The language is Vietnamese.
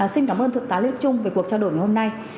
xin cảm ơn thượng tá lê trung về cuộc trao đổi ngày hôm nay